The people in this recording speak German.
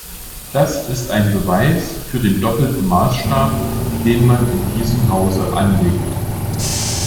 Das ist ein Beweis für den doppelten Maßstab, den man in diesem Hause anlegt.